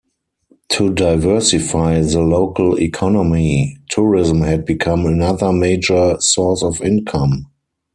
To diversify the local economy, tourism had become another major source of income.